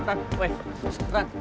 tunggu dulu run